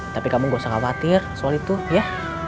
tapi kamu gak usah khawatir soal itu ya